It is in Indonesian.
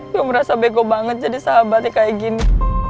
gue merasa bego banget jadi sahabatnya kayak gini